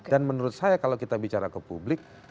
dan menurut saya kalau kita bicara ke publik